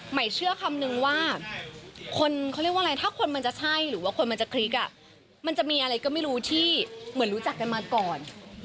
เชื่อคำนึงว่าคนเขาเรียกว่าอะไรถ้าคนมันจะใช่หรือว่าคนมันจะคลิกมันจะมีอะไรก็ไม่รู้ที่เหมือนรู้จักกันมาก่อน